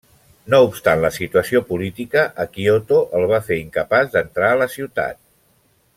No obstant la situació política a Kyoto el va fer incapaç d'entrar a la ciutat.